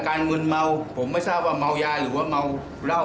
การเงินเมาผมไม่ทราบว่าเมายาหรือเมาเหล้า